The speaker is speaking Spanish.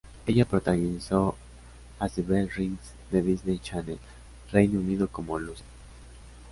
Ella protagonizó "As the Bell Rings" de Disney Channel Reino Unido como "Lucy".